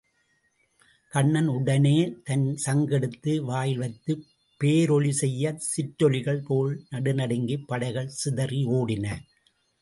கண்ணன் உடனே தன் சங்கு எடுத்து வாயில்வைத்துப் பேரொலி செய்யச் சிற்றெலிகள் போல் நடுநடுங்கிப் படைகள் சிதறி ஓடின.